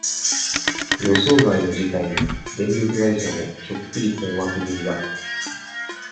予想外の事態に、電力会社も、ちょっぴり困惑気味だ。